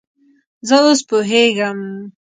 زه اوس پوهیږم